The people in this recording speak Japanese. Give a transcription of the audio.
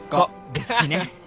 ですきね！